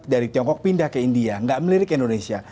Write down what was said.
dari tiongkok pindah ke india gak melirik ke indonesia